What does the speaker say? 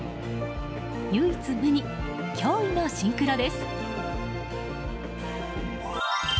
唯一無二、驚異のシンクロです。